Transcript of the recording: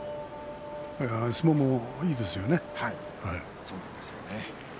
相撲もいいですよね。